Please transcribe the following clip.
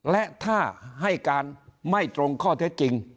และถ้าให้การไม่ตรงข้อเท็จจริง